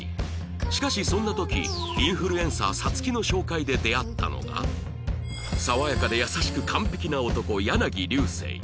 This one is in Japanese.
しかしそんな時インフルエンサー皐月の紹介で出会ったのが爽やかで優しく完璧な男柳流星